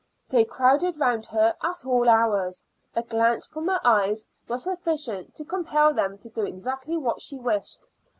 They crowded round her at all hours; a glance from her eyes was sufficient to compel them to do exactly what she wished.